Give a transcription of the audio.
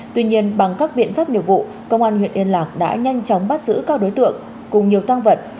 tuy nhiên bằng các biện pháp nghiệp vụ công an huyện yên lạc đã nhanh chóng bắt giữ các đối tượng cùng nhiều tăng vật